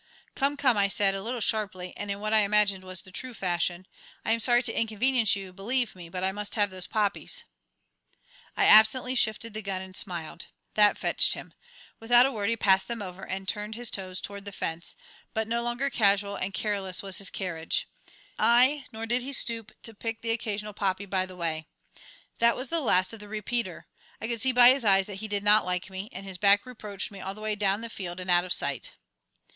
"Come, come," I said, a little sharply and in what I imagined was the true fashion; "I am sorry to inconvenience you, believe me, but I must have those poppies." I absently shifted the gun and smiled. That fetched him. Without a word he passed them over and turned his toes toward the fence, but no longer casual and careless was his carriage, I nor did he stoop to pick the occasional poppy by the way. That was the last of the "Repeater." I could see by his eyes that he did not like me, and his back reproached me all the way down the field and out of sight.